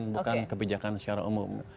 bukan kebijakan secara umum